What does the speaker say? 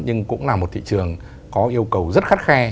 nhưng cũng là một thị trường có yêu cầu rất khắt khe